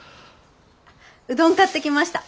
うどん買ってきました。